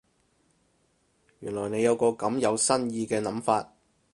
原來你有個咁有新意嘅諗法